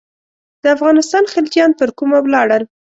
د افغانستان خلجیان پر کومه ولاړل.